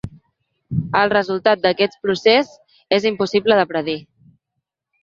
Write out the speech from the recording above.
El resultat d’aquest procés és impossible de predir.